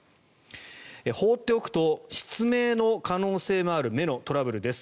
放っておくと失明の可能性もある目のトラブルです。